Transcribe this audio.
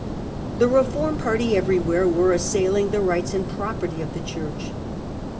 The Reform party everywhere were assailing the rights and property of the Church.